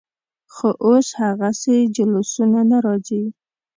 خو اوس هغسې جلوسونه نه راځي.